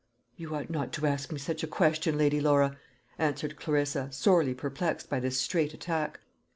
"You ought not to ask me such a question, Lady Laura," answered Clarissa, sorely perplexed by this straight attack.